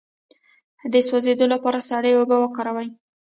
د سوځیدو لپاره سړې اوبه وکاروئ